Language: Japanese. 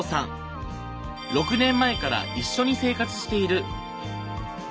６年前から一緒に生活している。